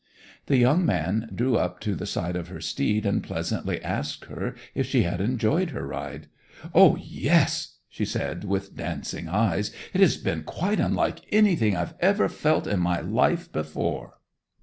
The young man drew up to the side of her steed, and pleasantly asked her if she had enjoyed her ride. 'O yes!' she said, with dancing eyes. 'It has been quite unlike anything I have ever felt in my life before!